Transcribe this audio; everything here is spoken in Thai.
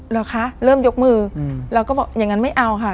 เหรอคะเริ่มยกมือแล้วก็บอกอย่างนั้นไม่เอาค่ะ